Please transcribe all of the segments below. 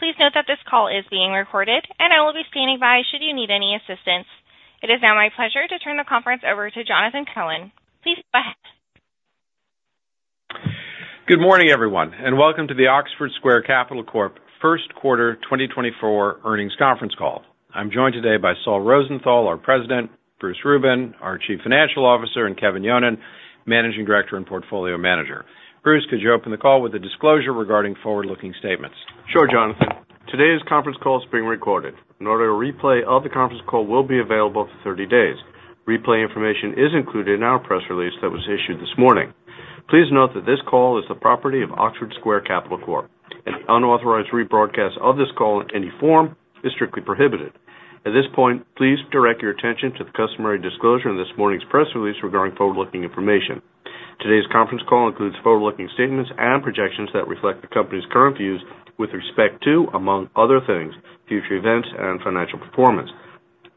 Please note that this call is being recorded, and I will be standing by should you need any assistance. It is now my pleasure to turn the conference over to Jonathan Cohen. Please go ahead. Good morning, everyone, and welcome to the Oxford Square Capital Corp first quarter 2024 Earnings Conference Call. I'm joined today by Saul Rosenthal, our President, Bruce Rubin, our Chief Financial Officer, and Kevin Yonon, Managing Director and Portfolio Manager. Bruce, could you open the call with a disclosure regarding forward-looking statements? Sure, Jonathan. Today's conference call is being recorded. An audio replay of the conference call will be available for 30 days. Replay information is included in our press release that was issued this morning. Please note that this call is the property of Oxford Square Capital Corp. An unauthorized rebroadcast of this call in any form is strictly prohibited. At this point, please direct your attention to the customary disclosure in this morning's press release regarding forward-looking information. Today's conference call includes forward-looking statements and projections that reflect the company's current views with respect to, among other things, future events and financial performance.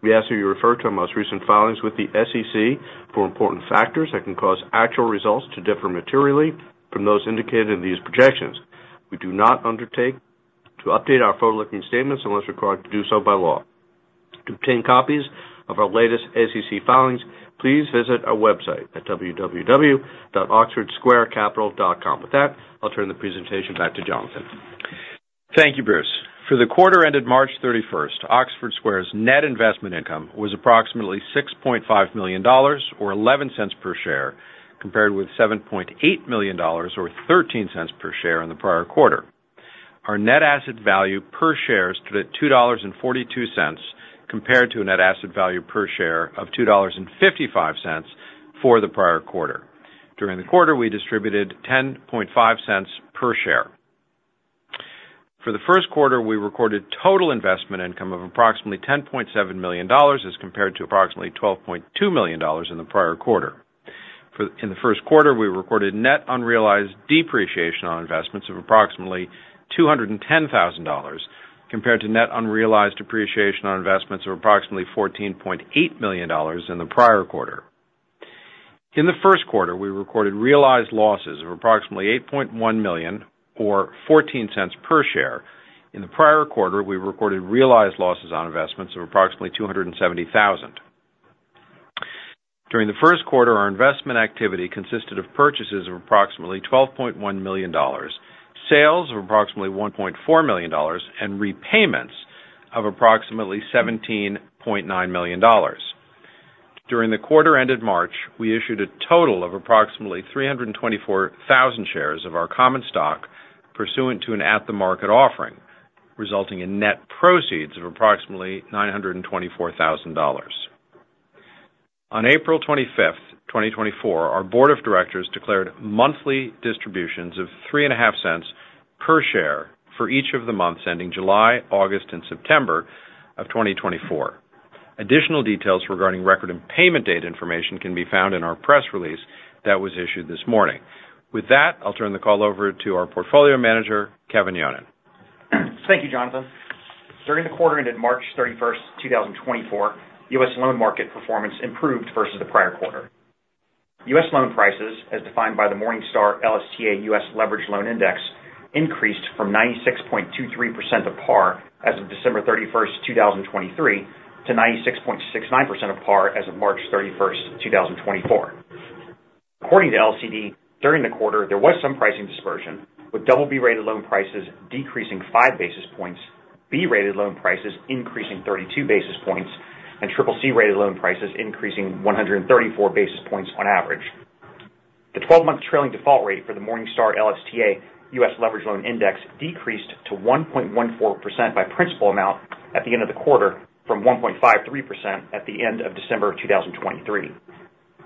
We ask that you refer to our most recent filings with the SEC for important factors that can cause actual results to differ materially from those indicated in these projections. We do not undertake to update our forward-looking statements unless required to do so by law. To obtain copies of our latest SEC filings, please visit our website at www.oxfordsquarecapital.com. With that, I'll turn the presentation back to Jonathan. Thank you, Bruce. For the quarter ended March 31st, Oxford Square's net investment income was approximately $6.5 million or $0.11 per share compared with $7.8 million or $0.13 per share in the prior quarter. Our net asset value per share stood at $2.42 compared to a net asset value per share of $2.55 for the prior quarter. During the quarter, we distributed $0.10 per share. For the first quarter, we recorded total investment income of approximately $10.7 million as compared to approximately $12.2 million in the prior quarter. In the first quarter, we recorded net unrealized depreciation on investments of approximately $210,000 compared to net unrealized appreciation on investments of approximately $14.8 million in the prior quarter. In the first quarter, we recorded realized losses of approximately $8.1 million or $0.14 per share. In the prior quarter, we recorded realized losses on investments of approximately $270,000. During the first quarter, our investment activity consisted of purchases of approximately $12.1 million, sales of approximately $1.4 million, and repayments of approximately $17.9 million. During the quarter ended March, we issued a total of approximately 324,000 shares of our common stock pursuant to an at-the-market offering, resulting in net proceeds of approximately $924,000. On April 25th, 2024, our board of directors declared monthly distributions of $0.03 per share for each of the months ending July, August, and September of 2024. Additional details regarding record and payment date information can be found in our press release that was issued this morning. With that, I'll turn the call over to our portfolio manager, Kevin Yonon. Thank you, Jonathan. During the quarter ended March 31st, 2024, U.S. loan market performance improved versus the prior quarter. U.S. loan prices, as defined by the Morningstar LSTA U.S. Leveraged Loan Index, increased from 96.23% of par as of December 31st, 2023, to 96.69% of par as of March 31st, 2024. According to LCD, during the quarter, there was some pricing dispersion, with BB-rated loan prices decreasing five basis points, B-rated loan prices increasing 32 basis points, and CCC-rated loan prices increasing 134 basis points on average. The 12-month trailing default rate for the Morningstar LSTA U.S. Leveraged Loan Index decreased to 1.14% by principal amount at the end of the quarter from 1.53% at the end of December 2023.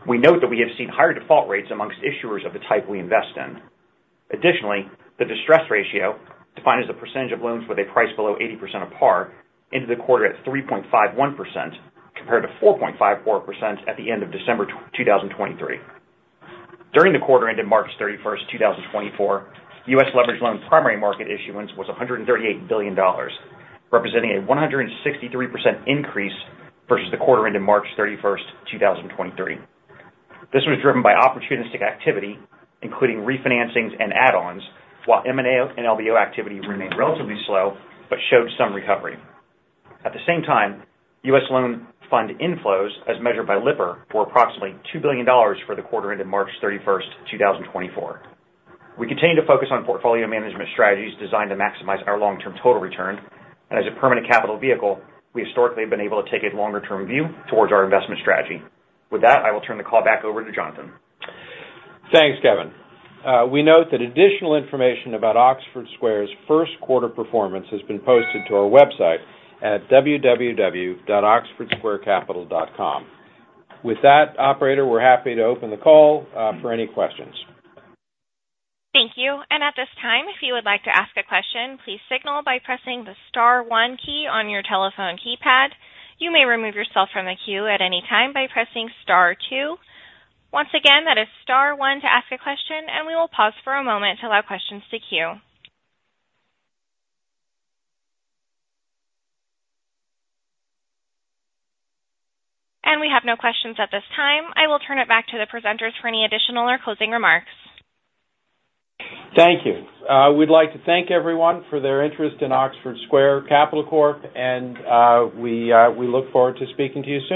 We note that we have seen higher default rates amongst issuers of the type we invest in. Additionally, the distress ratio, defined as the percentage of loans with a price below 80% of par, ended the quarter at 3.51% compared to 4.54% at the end of December 2023. During the quarter ended March 31st, 2024, U.S. leveraged loan primary market issuance was $138 billion, representing a 163% increase versus the quarter ended March 31st, 2023. This was driven by opportunistic activity, including refinancings and add-ons, while M&A and LBO activity remained relatively slow but showed some recovery. At the same time, U.S. loan fund inflows, as measured by Lipper, were approximately $2 billion for the quarter ended March 31st, 2024. We continue to focus on portfolio management strategies designed to maximize our long-term total return. As a permanent capital vehicle, we historically have been able to take a longer-term view towards our investment strategy. With that, I will turn the call back over to Jonathan. Thanks, Kevin. We note that additional information about Oxford Square's first quarter performance has been posted to our website at www.oxfordsquarecapital.com. With that, operator, we're happy to open the call for any questions. Thank you. At this time, if you would like to ask a question, please signal by pressing the star one key on your telephone keypad. You may remove yourself from the queue at any time by pressing star two. Once again, that is star one to ask a question, and we will pause for a moment to allow questions to queue. We have no questions at this time. I will turn it back to the presenters for any additional or closing remarks. Thank you. We'd like to thank everyone for their interest in Oxford Square Capital Corp., and we look forward to speaking to you soon.